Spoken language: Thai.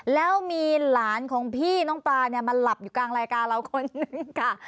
แล้วมีหลานของพี่น้องปลาเนี่ยมาหลับอยู่กลางรายการเราคนนึงค่ะ